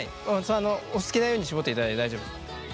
お好きなように絞っていただいて大丈夫です。